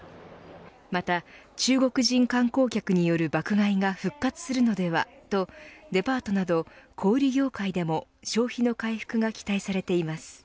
また、中国人観光客による爆買いが復活するのではとデパートなど小売り業界でも消費の回復が期待されています。